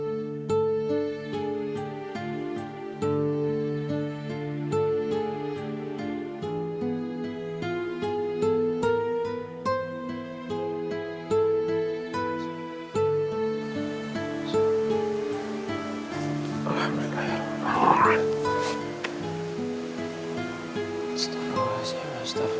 astaghfirullahaladzim astaghfirullahaladzim astaghfirullahaladzim